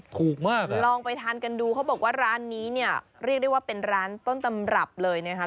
ถูกมากเลยลองไปทานกันดูเขาบอกว่าร้านนี้เนี่ยเรียกได้ว่าเป็นร้านต้นตำรับเลยนะคะ